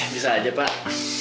bisa aja pak